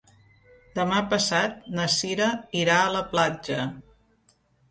Demà passat na Cira irà a la platja.